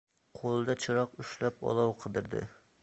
• Qo‘lida chiroq ushlab olov qidiradi.